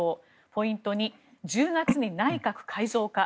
ポイント２１０月に内閣改造か。